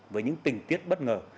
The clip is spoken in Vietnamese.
với những tình tiết bất ngờ